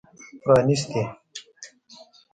پرانیستي